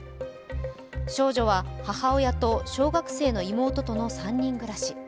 少女は母親と小学生の妹との３人暮らし。